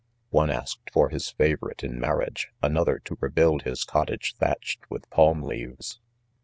' One asked for his favorite in marriage, another to rebuild his cottage thatch ed with palm leaves.